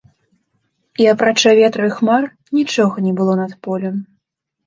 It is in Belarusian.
І апрача ветру і хмар нічога не было над полем.